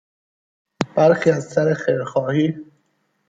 برخی از سر خیر خواهی،